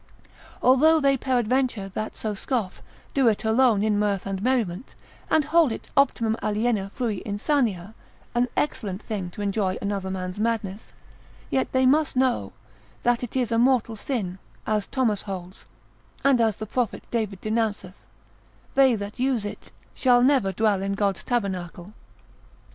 Although they peradventure that so scoff, do it alone in mirth and merriment, and hold it optimum aliena frui insania, an excellent thing to enjoy another man's madness; yet they must know, that it is a mortal sin (as Thomas holds) and as the prophet David denounceth, they that use it, shall never dwell in God's tabernacle.